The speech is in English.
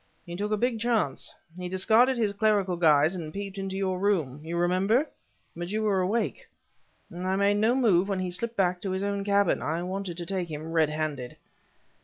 He took a big chance. He discarded his clerical guise and peeped into your room you remember? but you were awake, and I made no move when he slipped back to his own cabin; I wanted to take him red handed."